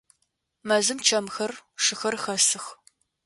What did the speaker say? Мэзым чэмхэр, шыхэр хэсых.